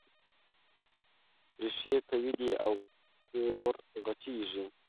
ريښې قوي دي او کور غټېږي.